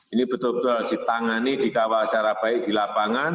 ini betul betul harus ditangani dikawal secara baik di lapangan